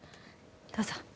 どうぞ。